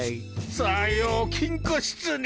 さよう金庫室に。